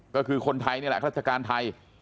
ก็คือคนไทยนี่แหละราชการไทย